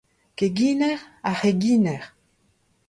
keginer, ar c'heginer